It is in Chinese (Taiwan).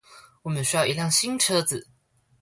我們需要一輛新車子